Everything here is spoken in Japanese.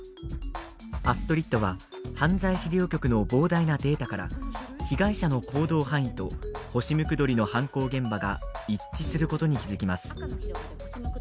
アストリッドは、犯罪資料局の膨大なデータから、被害者の行動範囲とホシムクドリの犯行現場が一致することに気付きます。